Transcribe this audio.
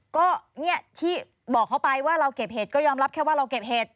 ก็เนี่ยที่บอกเขาไปว่าเราเก็บเห็ดก็ยอมรับแค่ว่าเราเก็บเห็ด